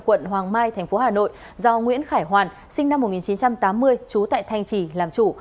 quận hoàng mai tp hà nội do nguyễn khải hoàn sinh năm một nghìn chín trăm tám mươi chú tại thanh trì làm chủ